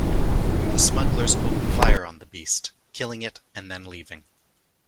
The smugglers open fire on the beast, killing it and then leaving.